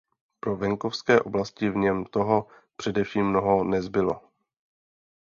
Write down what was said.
Pro venkovské oblasti v něm toho především mnoho nezbylo.